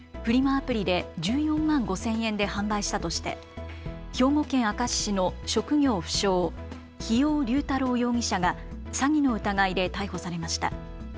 アプリで１４万５０００円で販売したとして兵庫県明石市の職業不詳、日用竜太郎容疑者が詐欺の疑いで逮捕されました。